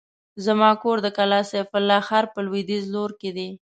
زما کور د کلا سيف الله ښار په لوېديځ لور کې دی.